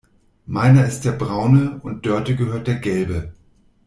Meiner ist der braune und Dörte gehört der gelbe.